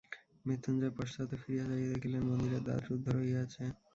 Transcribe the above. মৃত্যুঞ্জয় পশ্চাতে ফিরিয়া চাহিয়া দেখিলেন মন্দিরের দ্বার রূদ্ধ রহিয়াছে।